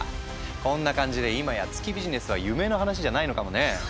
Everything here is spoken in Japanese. こんな感じでいまや月ビジネスは夢の話じゃないのかもね。